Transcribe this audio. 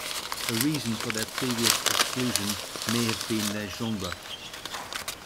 A reason for their previous exclusion may have been their genre.